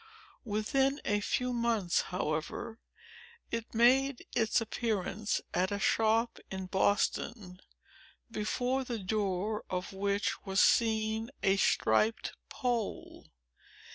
Within a few months, however, it made its appearance at a shop in Boston, before the door of which was seen a striped pole.